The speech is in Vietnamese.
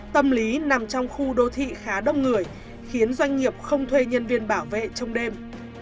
tâm lý nằm trong khu đô thị khá đông người khiến doanh nghiệp không thuê nhân viên bảo vệ trong đêm